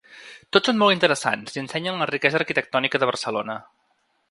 Tots són molt interessants i ensenyen la riquesa arquitectònica de Barcelona.